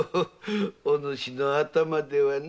おぬしの頭ではな。